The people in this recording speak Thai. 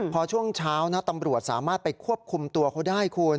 พอช่วงเช้านะตำรวจสามารถไปควบคุมตัวเขาได้คุณ